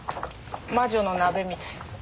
魔女の鍋みたい。